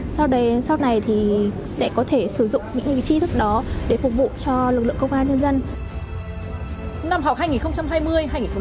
sau này thì sẽ có thể sử dụng những vị trí thức đó để phục vụ cho lực lượng công an nhân dân